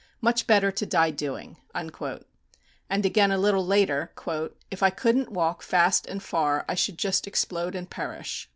Much better to die doing." And again, a little later, "If I couldn't walk fast and far, I should just explode and perish."